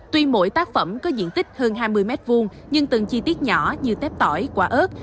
tuy mỗi tác phẩm có diện tích hơn hai mươi m hai nhưng từng chi tiết nhỏ như tép tỏi quả ớt